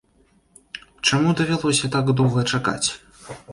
Чаму давялося так доўга чакаць?